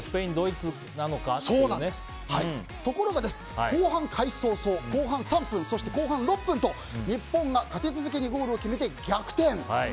ところが、後半開始早々後半３分そして後半６分と日本が立て続けにゴールを決めて逆転！